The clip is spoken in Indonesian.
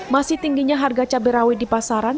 masih tingginya harga cabai rawit di pasaran